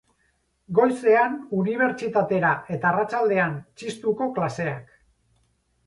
Goizean unibertsitatera, eta arratsaldean txistuko klaseak